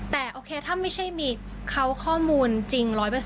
แต่โอเคถ้าไม่ใช่มีเขาข้อมูลจริง๑๐๐